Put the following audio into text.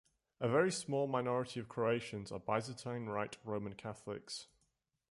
A very small minority of Croatians are Byzantine Rite Roman Catholics.